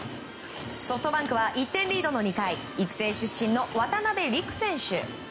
ソフトバンクは１点リードの２回育成出身の渡邉陸選手。